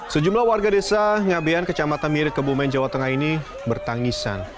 sejumlah warga desa ngabean kecamatan mirip kebumen jawa tengah ini bertangisan